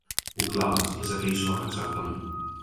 Ho claves, és aquell so exactament.